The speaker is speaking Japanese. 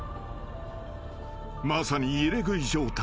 ［まさに入れ食い状態］